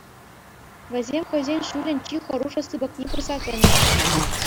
Вӗсем хӑйсен ҫулӗн чи хӑрушӑ сыпӑкне пырса кӗнӗ.